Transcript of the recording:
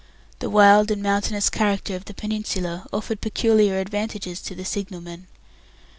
The wild and mountainous character of the peninsula offered peculiar advantages to the signalmen.